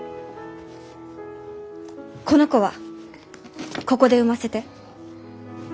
この子はここで産ませて。